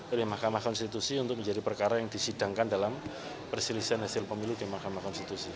oleh mahkamah konstitusi untuk menjadi perkara yang disidangkan dalam perselisihan hasil pemilu di mahkamah konstitusi